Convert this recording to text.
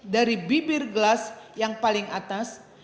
dari bibir gelas yang paling atas